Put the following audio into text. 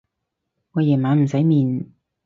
我夜晚唔使面